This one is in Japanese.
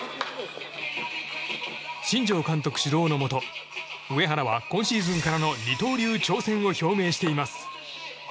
新庄監督指導のもと上原は今シーズンから二刀流挑戦を表明しています。